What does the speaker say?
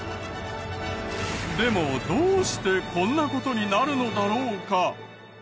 でもどうしてこんな事になるのだろうか？